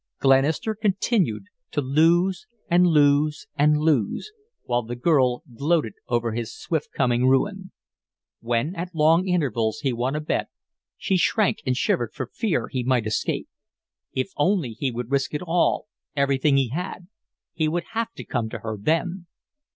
Glenister continued to lose and lose and lose, while the girl gloated over his swift coming ruin. When at long intervals he won a bet she shrank and shivered for fear he might escape. If only he would risk it all everything he had. He would have to come to her then!